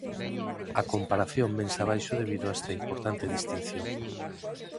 A comparación vense abaixo debido a esta importante distinción.